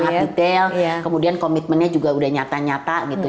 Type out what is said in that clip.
sangat detail kemudian komitmennya juga udah nyata nyata gitu